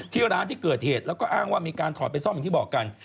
ที่ร้านที่เกิดเหตุแล้วก็อ้างว่ามีการถอดไปซ่อมอย่างที่บอกกัน